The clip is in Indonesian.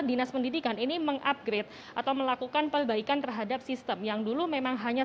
dinas pendidikan ini mengupgrade atau melakukan perbaikan terhadap sistem yang dulu memang hanya